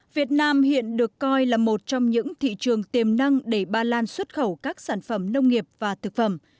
việt nam hiện được coi là một trong những thị trường tiềm năng để ba lan xuất khẩu các sản phẩm nông nghiệp và thực phẩm